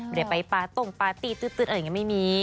เดี๋ยวไปปาตรงปาตี้อีกยังไม่มี